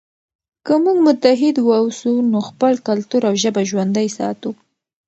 که موږ متحد واوسو نو خپل کلتور او ژبه ژوندی ساتو.